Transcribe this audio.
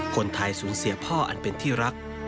คนไทยสูญเสียพ่ออันเป็นที่รัก